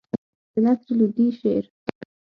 د نصر لودي شعر.